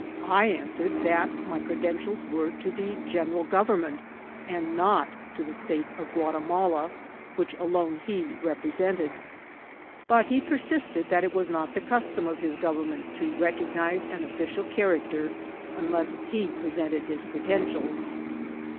I answered that my credentials were to the general government, and not to that of the State of Onatimala, "Vj^hich alone he represented ; but he per sisted that it was not the custom oi his government to recognise an official character nnless he jHresented his credentials.